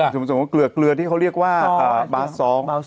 สมมุติว่าเกลือที่เขาเรียกว่าบาส๒